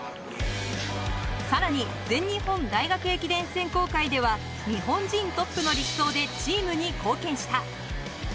さらに全日本大学駅伝選考会では、日本人トップの力走でチームに貢献した。